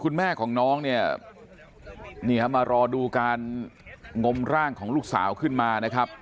น้องเนี่ยมารอดูการงมร่างของลูกสาวขึ้นมานะครับ